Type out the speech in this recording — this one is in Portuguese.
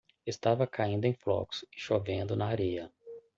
Estava caindo em flocos e chovendo na areia.